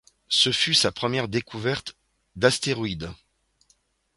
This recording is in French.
Ce fut sa première découverte d'astéroïdes.